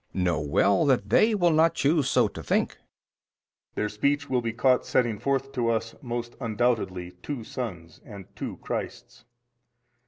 B. Know well that they will not choose so to think. A. Their speech will be caught setting forth to us most undoubtedly two sons and two christs.